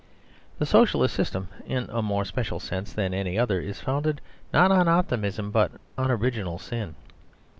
The Socialist system, in a more special sense than any other, is founded not on optimism but on original sin.